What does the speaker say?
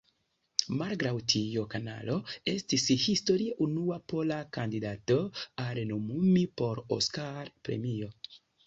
Malgraŭ tio "Kanalo" estis historie unua pola kandidato al nomumi por Oskar-premio.